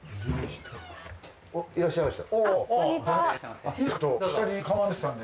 いらっしゃいました。